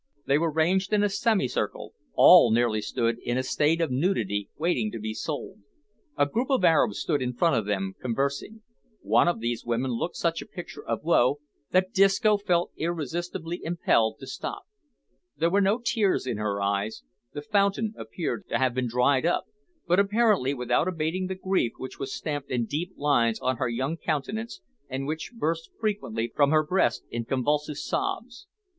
They were ranged in a semicircle, all nearly in a state of nudity, waiting to be sold. A group of Arabs stood in front of them, conversing. One of these women looked such a picture of woe that Disco felt irresistibly impelled to stop. There were no tears in her eyes; the fountain appeared to have been dried up, but, apparently, without abating the grief which was stamped in deep lines on her young countenance, and which burst frequently from her breast in convulsive sobs.